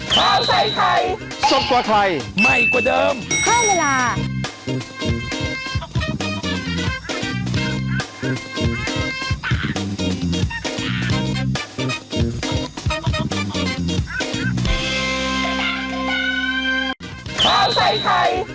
ข้าวใส่ไข่สบกว่าไข่ใหม่กว่าเดิมข้าวเวลา